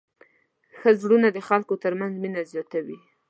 ښه زړونه د خلکو تر منځ مینه زیاتوي.